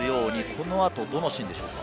この、どのシーンでしょうか？